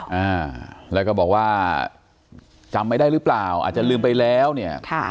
อ่าแล้วก็บอกว่าจำไม่ได้หรือเปล่าอาจจะลืมไปแล้วเนี่ยค่ะ